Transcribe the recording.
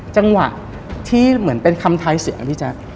จังหวะที่เหมือนเป็นคำท้ายเสียงอะพี่แจ๊ค